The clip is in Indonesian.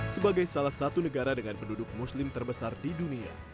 sebagai salah satu negara dengan penduduk muslim terbesar di dunia